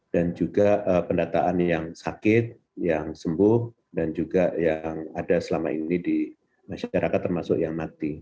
dan juga pendataan yang sakit yang sembuh dan juga yang ada selama ini di masyarakat termasuk yang mati